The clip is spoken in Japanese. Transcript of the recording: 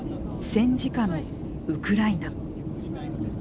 戦時下のウクライナ。